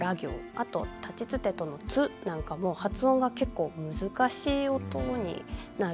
あと「たちつてと」の「つ」なんかも発音が結構難しい音になるんです。